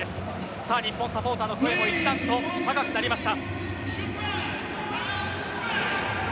さあ日本サポーターの応援も一段と高くなりました。